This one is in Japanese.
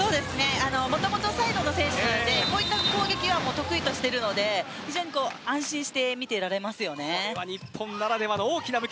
もともとサイドの選手なのでこういった攻撃を得意としていますので非常に安心して見ていられます。